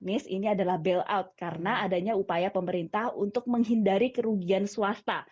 ini adalah bailout karena adanya upaya pemerintah untuk menghindari kerugian swasta